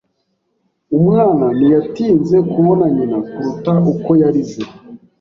Umwana ntiyatinze kubona nyina kuruta uko yarize.